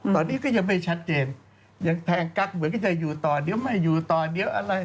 ตอนนี้ก็ยังไม่ชัดเจนยังแทงกั๊กเหมือนก็จะอยู่ต่อเดี๋ยวไม่อยู่ต่อเดี๋ยวอะไร